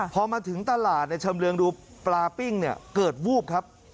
พอมาถึงตลาดในชำเรืองดูปลาปิ้งเนี่ยเกิดวูบครับ